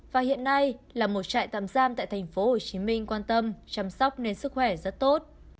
và hiện nay là một trại tạm giam tại tp hồ chí minh quan tâm chăm sóc nên sức khỏe rất tốt